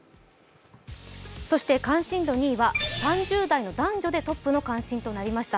関心度２位は３０代の男女でトップの関心となりました。